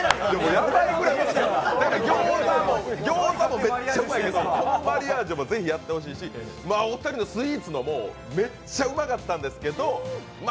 餃子もめっちゃうまいんですけど、このマリアージュもぜひやってほしいし、お二人のスイーツのもめっちゃうまかったんですけどま